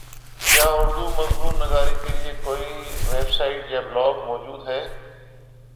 کیا اردو مضمون نگاری کیلئے کوئ ویبسائٹ یا بلاگ موجود ہے